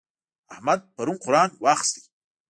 احمد پرون قرآن واخيست.